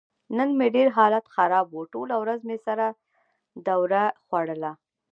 نن مې ډېر حالت خراب و. ټوله ورځ مې سره دوره خوړله.